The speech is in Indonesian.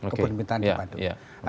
kebun binatang bandung